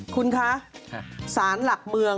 คุณคะสารหลักเมือง